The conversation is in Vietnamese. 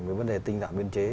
với vấn đề tinh dạng biên chế